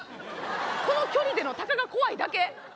この距離での鷹が怖いだけ。